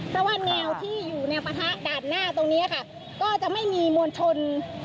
เพราะว่าแนวที่อยู่แนวปะทะด่านหน้าตรงนี้ค่ะก็จะไม่มีมวลชน